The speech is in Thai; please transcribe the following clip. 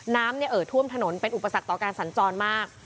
เอ่อท่วมถนนเป็นอุปสรรคต่อการสัญจรมาก